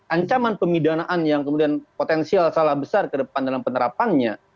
ancaman pemidanaan yang kemudian potensial salah besar ke depan dalam penerapannya